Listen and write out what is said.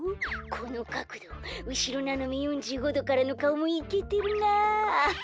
このかくどうしろななめ４５どからのかおもいけてるなあアハハ。